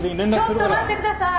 ちょっと待って下さい！